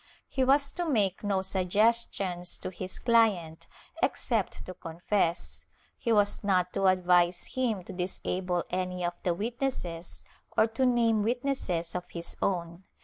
He was to make no suggestions to his client except to confess; he was not to advise him to disable any of the witnesses or to name witnesses of his own.